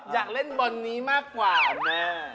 อยากเล่นบอลนี้มากกว่าเปล่านะ